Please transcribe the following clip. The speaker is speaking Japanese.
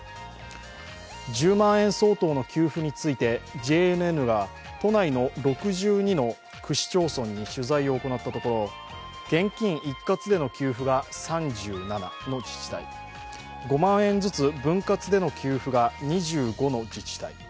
１０万円相当の給付についてＪＮＮが都内の６２の区市町村に取材を行ったところ現金一括での給付が３７の自治体、５万円ずつ分割での給付が２５の自治体。